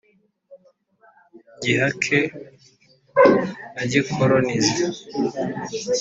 gihake na gikolonize.